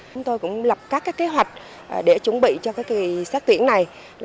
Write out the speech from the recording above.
chúng tôi cũng lập các cái kế hoạch để chuẩn bị cho cái kỳ xét tuyển này